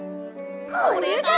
これだ！